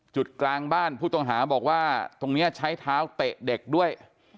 กลางบ้านผู้ต้องหาบอกว่าตรงนี้ใช้เท้าเตะเด็กด้วย